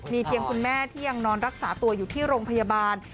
เพียงคุณแม่ที่ยังนอนรักษาตัวอยู่ที่โรงพยาบาล